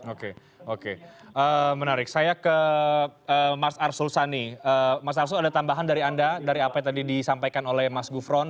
oke oke menarik saya ke mas arsul sani mas arsul ada tambahan dari anda dari apa yang tadi disampaikan oleh mas gufron